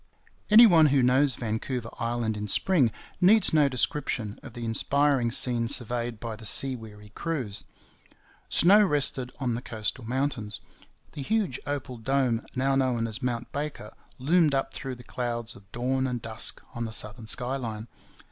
Any one who knows Vancouver Island in spring needs no description of the inspiring scene surveyed by the sea weary crews. Snow rested on the coastal mountains. The huge opal dome now known as Mount Baker loomed up through the clouds of dawn and dusk on the southern sky line.